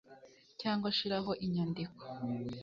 Cyangwa shiraho inyandiko